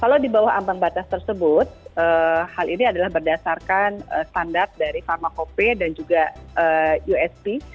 kalau di bawah ambang batas tersebut hal ini adalah berdasarkan standar dari pharmacope dan juga usp